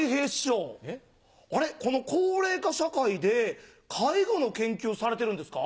この高齢化社会で介護の研究をされてるんですか？